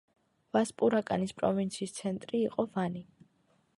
ვასპურაკანის პროვინციის ცენტრი იყო ვანი.